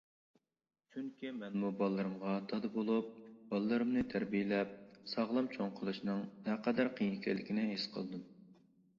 چۈنكى مەنمۇ باللىرىمغا دادا بولۇپ، بالىلىرىمنى تەربىيەلەپ ساغلام چوڭ قىلىشنىڭ نەقەدەر قىيىن ئىكەنلىكىنى ھېس قىلدىم.